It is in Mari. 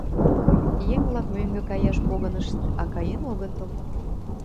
Еҥ-влак мӧҥгӧ каяш погынышт, а каен огытыл.